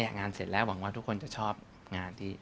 งานเสร็จแล้วหวังว่าทุกคนจะชอบงานที่